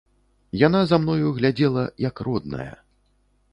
Яна за мною глядзела, як родная.